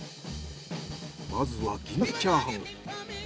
まずは銀鮭チャーハンを作る。